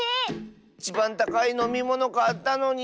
いちばんたかいのみものかったのに。